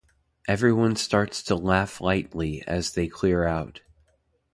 Everyone starts to laugh lightly as they clear out.